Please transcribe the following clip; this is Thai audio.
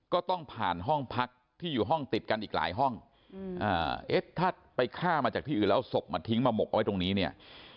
ก็ต้องผ่านห้องพักที่อยู่ห้องติดกันอีกหลายห้องเอ๊ะถ้าไปฆ่ามาจากที่อื่นแล้วเอาศพมาทิ้งมาหมกเอาไว้ตรงนี้เนี่ย